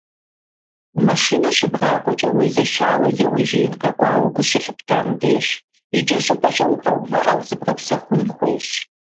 Машинэ щыбгъакӏуэкӏэ, уезэшауэ е уи жеин къэкӏуауэ гу щылъыптам деж, икӏэщӏыпӏэкӏэ укъэувыӏэу, зыбгъэпсэхун хуейщ.